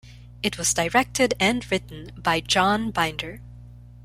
It was directed and written by John Binder.